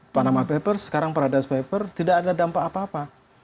panama papers sekarang paradise paper tidak ada dampak apa apa